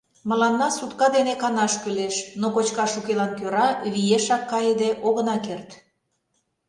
Мыланна сутка дене канаш кӱлеш, но кочкаш укелан кӧра виешак кайыде огына керт.